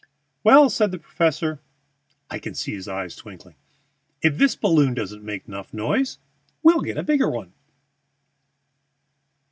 "Well," said the professor (I can see his eyes twinkling), "if this balloon doesn't make noise enough we'll get a bigger one."